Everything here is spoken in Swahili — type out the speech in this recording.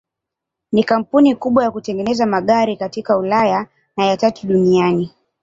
Ni kampuni kubwa ya kutengeneza magari katika Ulaya na ya tatu duniani.